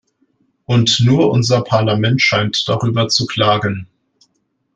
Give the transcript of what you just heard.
Und nur unser Parlament scheint darüber zu klagen.